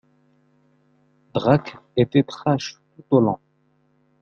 Drake était trash tout au long.